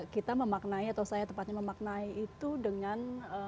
kita memaknai atau saya tepatnya memaknai itu dengan